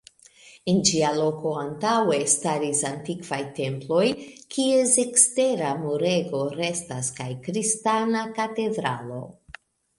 En ĝia loko antaŭe staris antikvaj temploj, kies ekstera murego restas, kaj kristana katedralo.